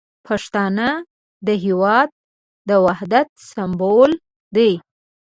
پښتانه د هیواد د وحدت سمبول دي.